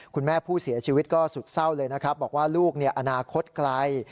คุณแม่ผู้เสียชีวิตก็สุดเศร้าเลยนะครับบอกว่าลูกอนาคตไกล